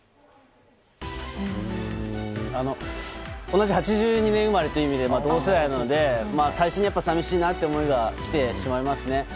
同じ８２年生まれたという意味で同世代なので最初に寂しいなという思いがきてしまいますね。